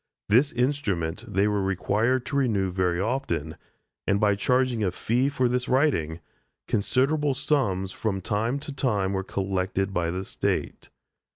This instrument they were required to renew very often, and by charging a fee for this writing, considerable sums from time to time were collected by the State.